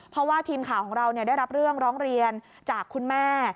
เพราะว่าทีมข่าวของเราได้รับเรื่องร้องเรียนจากคุณแม่